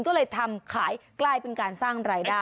ก็เลยทำขายกลายเป็นการสร้างรายได้